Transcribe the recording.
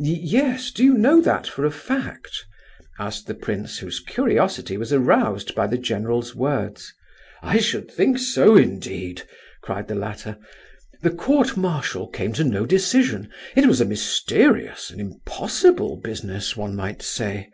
"Yes? Do you know that for a fact?" asked the prince, whose curiosity was aroused by the general's words. "I should think so indeed!" cried the latter. "The court martial came to no decision. It was a mysterious, an impossible business, one might say!